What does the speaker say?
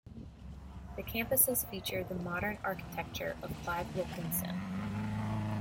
The campuses feature the modern architecture of Clive Wilkinson.